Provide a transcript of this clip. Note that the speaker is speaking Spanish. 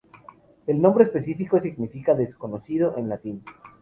El nombre específico significa "desconocido" en latín.